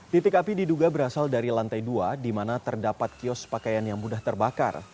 titik api diduga berasal dari lantai dua di mana terdapat kios pakaian yang mudah terbakar